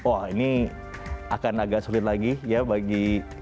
wah ini akan agak sulit lagi ya bagi